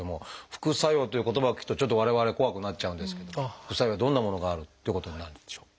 「副作用」という言葉を聞くとちょっと我々怖くなっちゃうんですけども副作用どんなものがあるっていうことになるんでしょう？